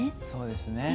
そうですね